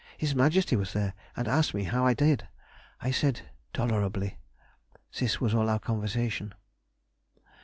His Majesty was there, and asked me how I did? I said, tolerably! This was all our conversation.